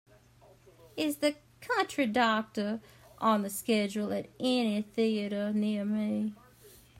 Is The Country Doctor on the schedule at any theater near me?